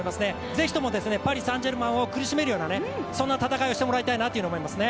ぜひともパリ・サン＝ジェルマンを苦しめるような戦い方をしてほしいと思いますね。